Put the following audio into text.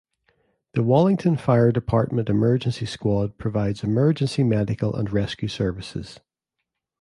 The Wallington Fire Department Emergency Squad provides emergency medical and rescue services.